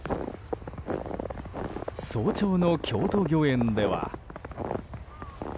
早朝の京都御苑では。